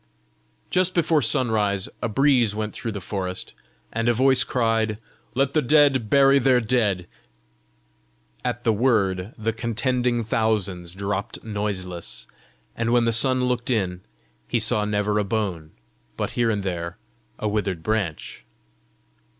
Just before sunrise, a breeze went through the forest, and a voice cried, "Let the dead bury their dead!" At the word the contending thousands dropped noiseless, and when the sun looked in, he saw never a bone, but here and there a withered branch.